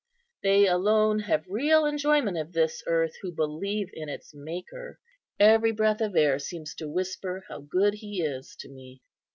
They alone have real enjoyment of this earth who believe in its Maker. Every breath of air seems to whisper how good He is to me."